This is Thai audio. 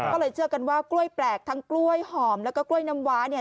ก็เลยเชื่อกันว่ากล้วยแปลกทั้งกล้วยหอมแล้วก็กล้วยน้ำว้าเนี่ย